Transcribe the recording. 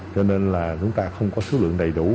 cho nên là chúng ta không có số lượng đầy đủ